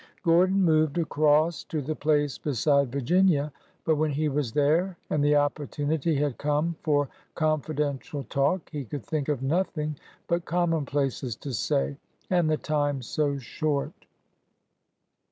Gordon moved across to the place beside Virginia. But when he was there and the opportunity had come for con fidential talk he could think of nothing but common places to say— and the time so short!